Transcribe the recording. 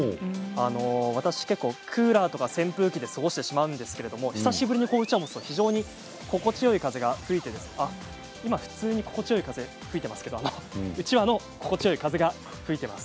私クーラーや扇風機で過ごしてしまうんですが久しぶりにうちわを持つと非常に心地よい風が吹いて今、普通に心地よい風が吹いていますが、うちわの心地よい風が吹いています。